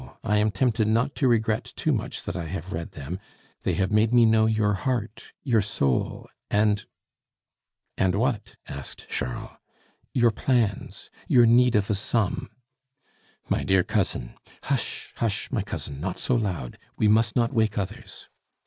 I am tempted not to regret too much that I have read them; they have made me know your heart, your soul, and " "And what?" asked Charles. "Your plans, your need of a sum " "My dear cousin " "Hush, hush! my cousin, not so loud; we must not wake others.